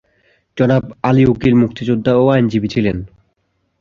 জনাব আলী উকিল মুক্তিযোদ্ধা ও আইনজীবী ছিলেন।